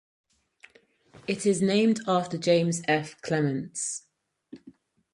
It is named after James F. Clements.